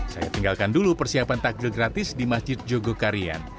saya tinggalkan dulu persiapan takjil gratis di masjid jogokarian